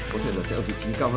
có thể là sẽ ở vị trí cao hơn